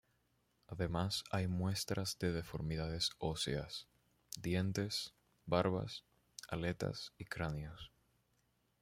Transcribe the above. Además hay muestras de deformidades óseas, dientes, barbas, aletas y cráneos.